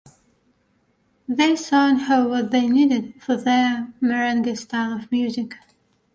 They saw in her what they needed for their merengue style of music.